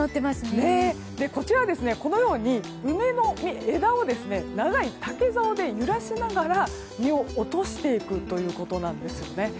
こちらは、このように梅の枝を長い竹ざおで揺らしながら実を落としていくということなんですよね。